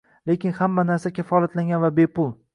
Lekin hamma narsa kafolatlangan va bepul »